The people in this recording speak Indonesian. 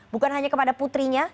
bukan hanya kepada putrinya